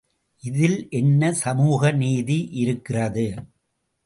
இதில் என்ன சமூக நீதி இருக்கிறது?